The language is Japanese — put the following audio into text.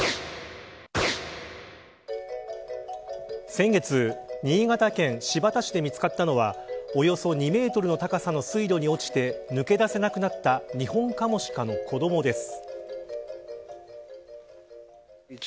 先月、新潟県新発田市で見つかったのはおよそ２メートルの高さの水路に落ちて抜け出せなくなったニホンカモシカの子どもです。